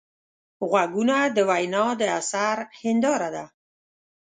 غوږونه د وینا د اثر هنداره ده